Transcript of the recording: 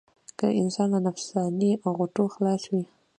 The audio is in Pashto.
که انسان له نفسياتي غوټو خلاص وي.